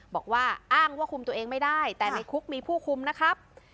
บอกว่าอ้างว่าคุมตัวเองไม่ได้แต่ในคุกมีผู้คุมนะครับ